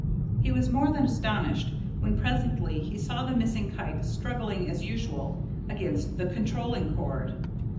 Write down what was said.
He was more than astonished when presently he saw the missing kite struggling as usual against the controlling cord.